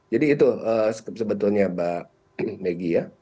jadi itu sebetulnya mbak meggy ya